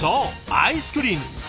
アイスクリーム。